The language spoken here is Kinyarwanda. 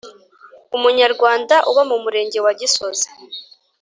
umunyarwanda uba mu murenge wa gisozi